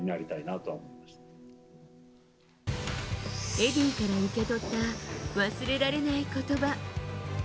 エディーから受け取った忘れられない言葉。